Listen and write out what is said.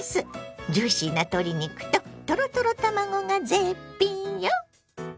ジューシーな鶏肉とトロトロ卵が絶品よ！